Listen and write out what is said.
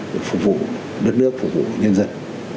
để phục vụ đất nước phục vụ nhân dân